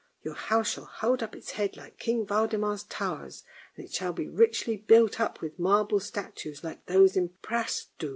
Your house shall hold up its head like King Waldemar's towers, and it shall be richly built up with marble statues, like those in Presto.